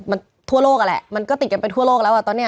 มันทั่วโลกอะแหละมันก็ติดกันไปทั่วโลกแล้วอ่ะตอนเนี้ย